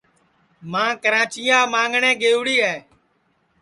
ماں کِراچِیا مانگٹؔیں گئوری ہے